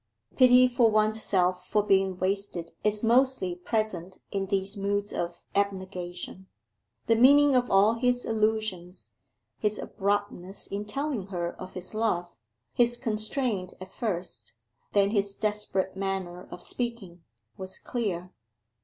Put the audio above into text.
Pity for one's self for being wasted is mostly present in these moods of abnegation. The meaning of all his allusions, his abruptness in telling her of his love, his constraint at first, then his desperate manner of speaking, was clear.